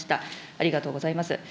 ありがとうございます。